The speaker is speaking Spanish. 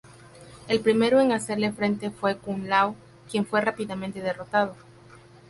El primero en hacerle frente fue Kung Lao, quien fue rápidamente derrotado.